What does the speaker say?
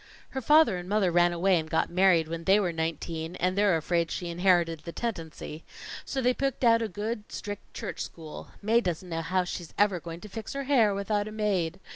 "Her father and mother ran away and got married when they were nineteen, and they're afraid she inherited the tendency. So they picked out a good, strict, church school. Mae doesn't know how she's ever going to fix her hair without a maid.